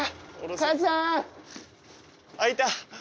あっいた。